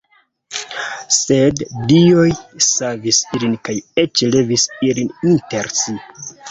Sed dioj savis ilin kaj eĉ levis ilin inter si.